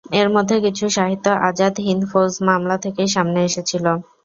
এর মধ্যে কিছু সাহিত্য আজাদ হিন্দ ফৌজ মামলা থেকেই সামনে এসেছিল।